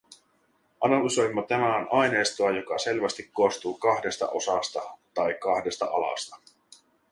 Analysoimme tänään aineistoa, joka selvästi koostuu kahdesta osasta tai kahdesta alasta.